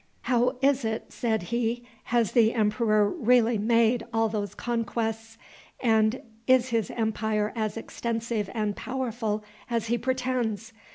"How is it?" said he; "has the emperor really made all those conquests, and is his empire as extensive and powerful as he pretends?